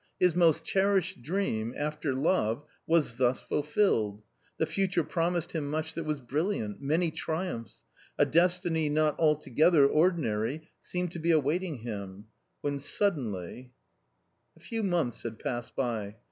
His most cherished dream — after love — was thus fulfilled. The future promised him much that was brilliant, many triumphs ; a destiny — not altogether ordinary — seemed to be awaiting him — when suddenly A few months had passed by.